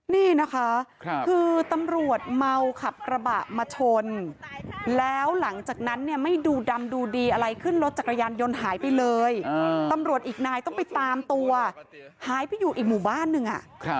นี่นะคะคือตำรวจเมาขับกระบะมาชนแล้วหลังจากนั้นเนี่ยไม่ดูดำดูดีอะไรขึ้นรถจักรยานยนต์หายไปเลยตำรวจอีกนายต้องไปตามตัวหายไปอยู่อีกหมู่บ้านหนึ่ง